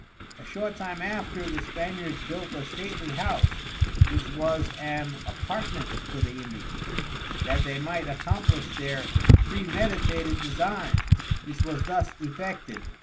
A short time after the Spaniards built a stately House, which was an Appartment for the Indians, that they might accomplish their praemeditated Designs, which was thus effected.